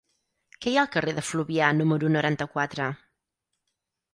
Què hi ha al carrer de Fluvià número noranta-quatre?